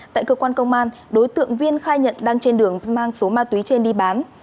tại cơ quan công an đối tượng viên khai nhận đang trên đường mang số ma túy trên đi bán